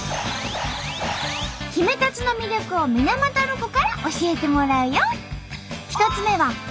ヒメタツの魅力を水俣ロコから教えてもらうよ。